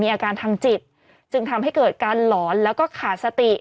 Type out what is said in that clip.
อาการทางจิตจึงทำให้เกิดการหลอนแล้วก็ขาดสติ